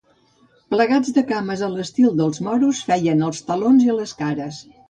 Plegats de cames a l’estil dels moros, feien els talons i les cares.